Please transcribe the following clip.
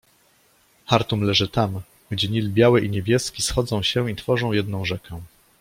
- Chartum leży tam, gdzie Nil Biały i Niebieski schodzą się i tworzą jedną rzekę.